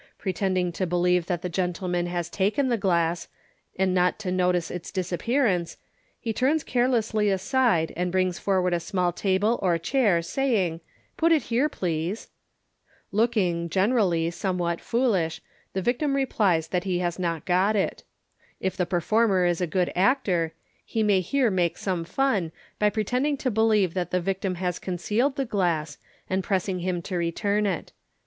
Pretending to believe that the gentleman has taken the glass, and not to notice its disappearance, he turns carelessly aside, and brings forward a small table or chair, saying, " Put it here, please." Looking, generally, somewhat foolish, the victim replies Fig. MODERN MAGIC 369 that he has not got it. If the performer is a good actor, he may here make some fun by pretending to believe that the victim has concealed the glass, and pressing him to return it.